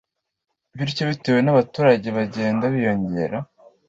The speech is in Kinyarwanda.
bityo bitewe n’abaturage bagenda biyongera